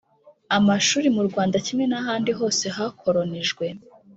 Amashuri Mu Rwanda kimwe n'ahandi hose hakolonijwe,